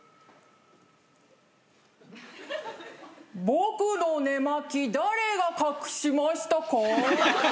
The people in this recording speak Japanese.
僕の寝間着誰が隠しましたか？